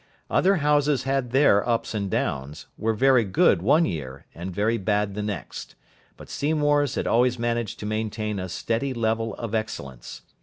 Other houses had their ups and downs, were very good one year and very bad the next; but Seymour's had always managed to maintain a steady level of excellence.